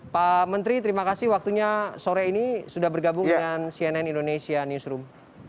pak menteri terima kasih waktunya sore ini sudah bergabung dengan cnn indonesia newsroom